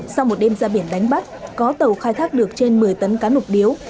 sau một đêm ra biển đánh bắt có tàu khai thác được trên một mươi tấn cá nục điếu